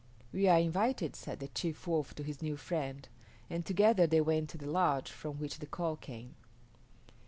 "We are invited," said the chief Wolf to his new friend, and together they went to the lodge from which the call came.